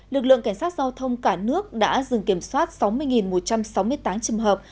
lực lượng cảnh sát giao thông cả nước đã dừng kiểm soát sáu mươi một trăm sáu mươi tám trường hợp